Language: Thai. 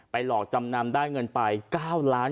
ไปหลอกจำนำด้านเงินไป๙๐๐๐๐๐๐กว่าบาท